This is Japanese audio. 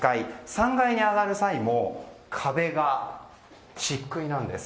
３階に上がる際も壁が漆喰なんです。